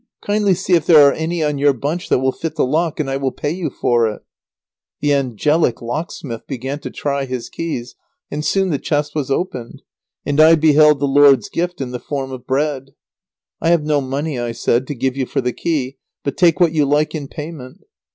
Kindly see if there are any on your bunch that will fit the lock, and I will pay you for it." [Sidenote: The chest opened.] The angelic locksmith began to try his keys, and soon the chest was opened, and I beheld the Lord's gift in the form of bread. "I have no money," I said, "to give you for the key, but take what you like in payment."